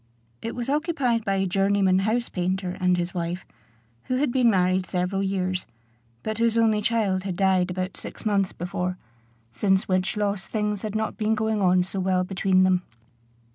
It was occupied by a journeyman house painter and his wife, who had been married several years, but whose only child had died about six months before, since which loss things had not been going on so well between them.